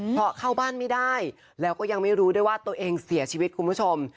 เพราะเข้าบ้านไม่ได้แล้วก็ยังไม่รู้ด้วยว่าตัวเองเสียชีวิตคุณผู้ชม